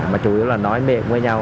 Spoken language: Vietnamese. mà chủ yếu là nói miệng với nhau